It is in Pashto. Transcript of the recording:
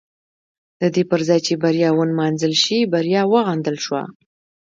د دې پر ځای چې بریا ونمانځل شي بریا وغندل شوه.